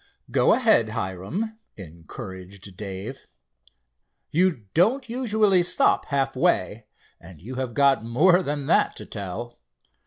"Go ahead, Hiram," encouraged Dave. "You don't usually stop half way, and you have got more than that to tell."